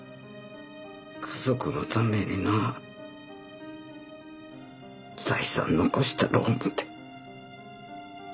家族のためにな財産残したろう思て。